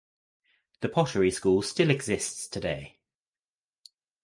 The pottery school still exists today.